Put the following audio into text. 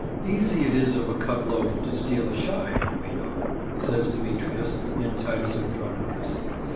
"Easy it is of a cut loaf to steal a shive, we know," says Demetrius, in Titus Andronicus.